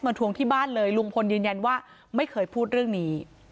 ทวงที่บ้านเลยลุงพลยืนยันว่าไม่เคยพูดเรื่องนี้